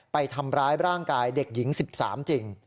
ไปทำร้ายร่างกายเด็กหญิง๑๓จริง